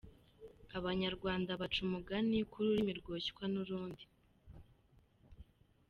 Abanyarwanda baca umugani ko ururimi rwoshywa n’urundi.